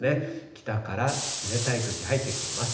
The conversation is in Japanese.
北から冷たい空気入ってきています。